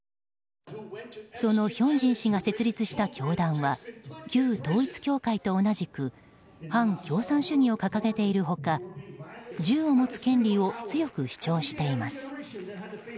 そのヒョンジン氏が設立した教団は旧統一教会と同じく反共産主義を掲げている他銃を持つ権利を強く主張しています。